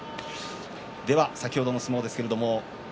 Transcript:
では、先ほどの相撲です。